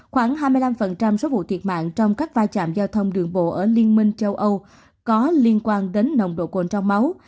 khoảng hai mươi năm số vụ thiệt mạng trong các va chạm giao thông đường bộ ở liên minh châu âu có liên quan đến nồng độ cồn trong máu